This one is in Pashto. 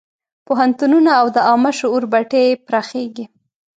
پوهنتونونه او د عامه شعور بټۍ یې پراخېږي.